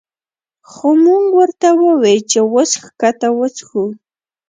خو مونږ ورته ووې چې وس ښکته وڅښو